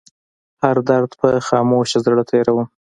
هر درد په خاموشه زړه تيروم